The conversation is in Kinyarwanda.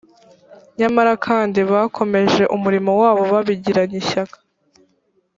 nyamara kandi bakomeje umurimo wabo babigiranye ishyaka